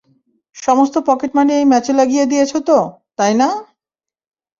সমস্ত pocket money এই ম্যাচে লাগিয়ে দিয়েছত, তাই না?